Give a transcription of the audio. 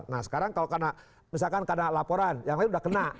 nah sekarang kalau karena misalkan karena laporan yang lain sudah kena